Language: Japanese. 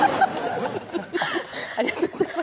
ありがとうございます